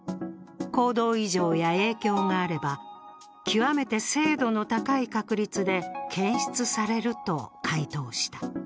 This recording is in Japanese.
行動異常や影響があれば、極めて精度の高い確率で検出されると回答した。